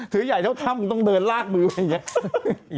ถือใหญ่เท่าถ้ำต้องเดินลากมือไปอย่างนี้